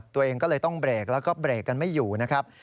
ตัวเองก็เลยต้องเบรกแล้วก็เบรกกันไม่อยู่นะครับ